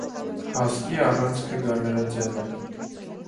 Հասկի առանցքը գալարաձև է։